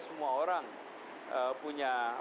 semua orang punya